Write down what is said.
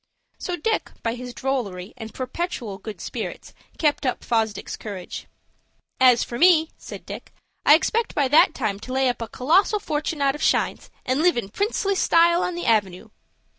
So Dick by his drollery and perpetual good spirits kept up Fosdick's courage. "As for me," said Dick, "I expect by that time to lay up a colossal fortun' out of shines, and live in princely style on the Avenoo."